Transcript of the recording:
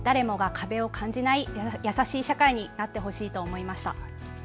こうした取り組みを通じて誰もが壁を感じない、優しい社会になってほしいと思いました。